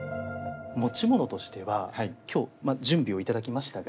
持ち物としては今日準備をいただきましたが。